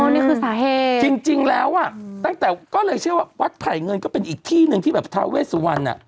นี่คือสาเหตุจริงแล้วอ่ะตั้งแต่ก็เลยเชื่อว่าวัดไผ่เงินก็เป็นอีกที่หนึ่งที่แบบทาเวสุวรรณอ่ะ